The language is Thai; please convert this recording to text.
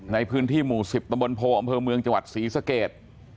ในพื้นที่หมู่๑๐ตำบลโพอำเภอเมืองจังหวัดศรีสเกต